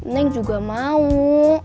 neng juga mau